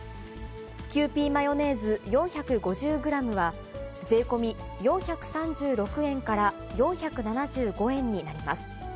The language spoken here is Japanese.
キユーピーマヨネーズ４５０グラムは、税込み４３６円から４７５円になります。